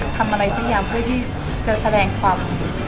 ทำอะไรสักอย่างเพื่อที่จะแสดงความ